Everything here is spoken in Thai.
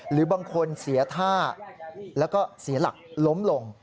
หรือบางคนเสียท่าแล้วก็เสียหลักล้มลง